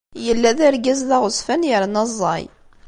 Yella d argaz d aɣezfan yerna ẓẓay.